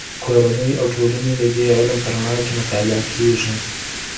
کورنۍ او ټولنې د دې علم په رڼا کې مطالعه کېږي.